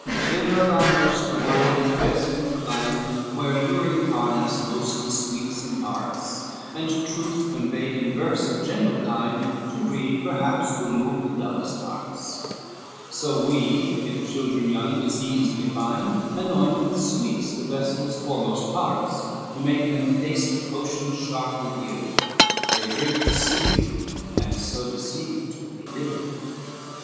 III Thither thou know'st the world is best inclined Where luring Parnass most his sweet imparts, And truth conveyed in verse of gentle kind To read perhaps will move the dullest hearts: So we, if children young diseased we find, Anoint with sweets the vessel's foremost parts To make them taste the potions sharp we give; They drink deceived, and so deceived, they live.